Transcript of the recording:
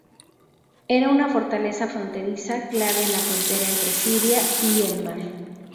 Era una fortaleza fronteriza, clave en la frontera entre Siria y el mar.